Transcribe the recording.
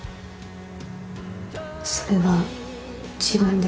それは自分で？